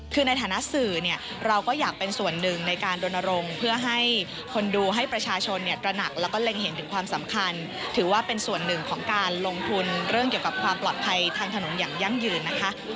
คือในฐานะสื่อเนี่ยเราก็อยากเป็นส่วนหนึ่งในการรณรงค์เพื่อให้คนดูให้ประชาชนตระหนักแล้วก็เล็งเห็นถึงความสำคัญถือว่าเป็นส่วนหนึ่งของการลงทุนเรื่องเกี่ยวกับความปลอดภัยทางถนนอย่างยั่งยืนนะคะ